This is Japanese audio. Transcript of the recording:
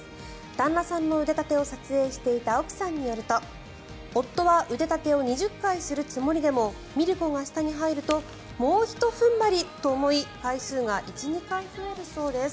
旦那さんの腕立てを撮影していた奥さんによると夫は腕立てを２０回するつもりでもミルコが下に入るともうひと踏ん張りと思い回数が１２回増えるそうです。